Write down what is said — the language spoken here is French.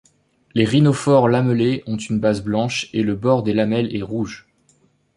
Les rhinophores lamellés ont une base blanche et le bord des lamelles est rouge.